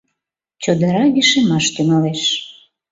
Чодыра вишемаш тӱҥалеш.